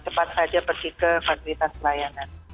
cepat saja pergi ke fasilitas pelayanan